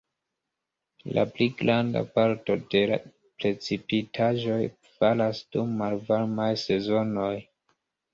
La pli granda parto de precipitaĵoj falas dum malvarmaj sezonoj.